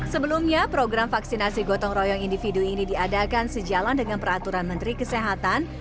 sebelumnya program vaksinasi gotong royong individu ini diadakan sejalan dengan peraturan menteri kesehatan